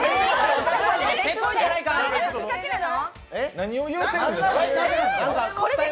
何を言うてるの？